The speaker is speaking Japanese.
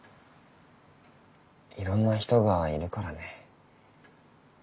いろんな人がいるからね。